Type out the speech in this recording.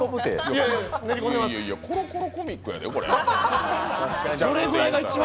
「コロコロコミック」やで。